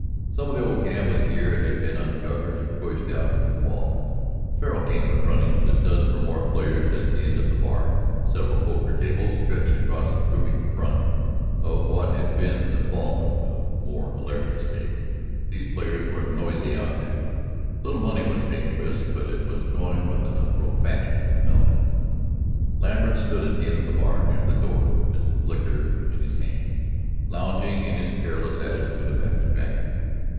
Some of the old gambling gear had been uncovered and pushed out from the wall. A faro game was running, with a dozen or more players, at the end of the bar; several poker tables stretched across the gloomy front of what had been the ballroom of more hilarious days. These players were a noisy outfit. Little money was being risked, but it was going with enough profanity to melt it. Lambert stood at the end of the bar near the door, his liquor in his hand, lounging in his careless attitude of abstraction.